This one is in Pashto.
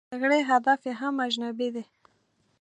د جګړې هدف یې هم اجنبي دی.